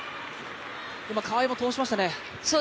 川井も通しましたね。